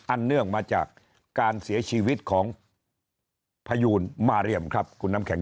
เนื่องมาจากการเสียชีวิตของพยูนมาเรียมครับคุณน้ำแข็ง